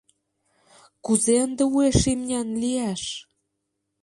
Кузе ынде уэш имнян лияш?